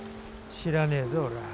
知らねえぞ俺は。